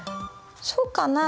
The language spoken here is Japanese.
そうかな？